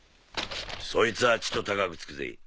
そいつはちと高くつくぜ。